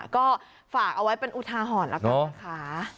ก็ฝากเอาไว้เป็นอุทาหรณ์แล้วกันนะคะ